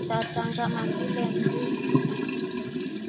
Tata ngama ngilimnde mndu kaa.